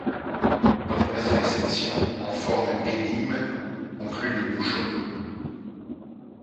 Une quinzième section, en forme d'énigme, conclut le Busshô.